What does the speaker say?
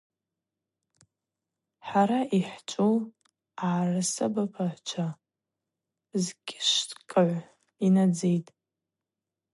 Хӏара йхӏчӏву агӏарысабапыгӏвчва зкьышвкӏыгӏв йнадзитӏ.